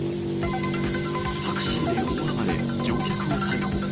タクシーで大暴れ、乗客を逮捕。